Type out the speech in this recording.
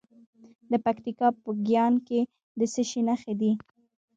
د پکتیکا په ګیان کې د څه شي نښې دي؟